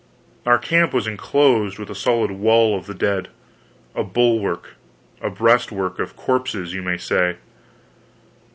Our camp was enclosed with a solid wall of the dead a bulwark, a breastwork, of corpses, you may say.